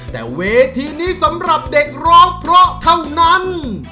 แต่เวทีนี้สำหรับเด็กร้องเพราะเท่านั้น